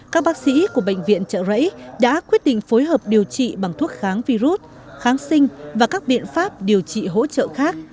các bác sĩ của bệnh viện trợ rẫy đã quyết định phối hợp điều trị bằng thuốc kháng virus kháng sinh và các biện pháp điều trị hỗ trợ khác